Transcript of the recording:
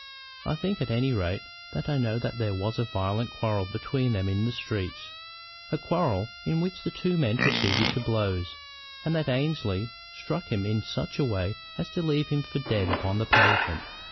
I think, at any rate, that I know that there was a violent quarrel between them in the streets, a quarrel in which the two men proceeded to blows, and that Annesley struck him in such a way as to leave him for dead upon the pavement.